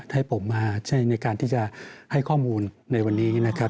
ให้ผมมาใช้ในการที่จะให้ข้อมูลในวันนี้นะครับ